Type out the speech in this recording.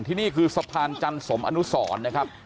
นี่คือสะพานจันสมอนุสรนะครับ